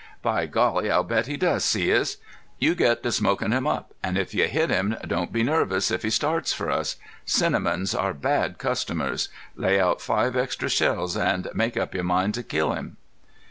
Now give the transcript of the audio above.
"By Golly, I'll bet he does see us. You get to smokin' him up. An' if you hit him don't be nervous if he starts for us. Cinnamons are bad customers. Lay out five extra shells an' make up your mind to kill him."